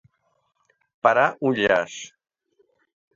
Parar un llaç.